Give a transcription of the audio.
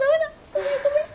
ごめんごめん。